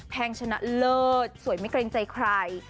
งชนะเลิศสวยไม่เกรงใจใคร